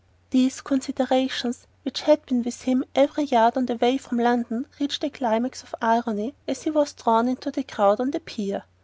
These considerations, which had been with him every yard of the way from London, reached a climax of irony as he was drawn into the crowd on the pier.